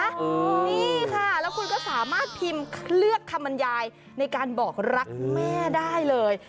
นี่ค่ะแล้วคุณก็สามารถพิมพ์เลือกคำบรรยายในการบอกรักแม่ได้เลย